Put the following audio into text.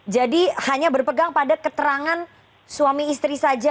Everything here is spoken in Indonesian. jadi hanya berpegang pada keterangan suami istri saja